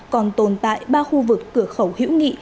còn tồn tại ba khu vực cửa khẩu hữu nghị